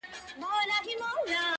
نن قانون او حیا دواړه له وطنه کوچېدلي-